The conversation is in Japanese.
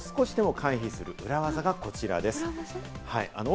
その行列を少しでも回避する裏技がこちらです。